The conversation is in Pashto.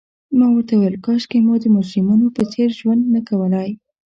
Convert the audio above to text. ما ورته وویل: کاشکي مو د مجرمینو په څېر ژوند نه کولای.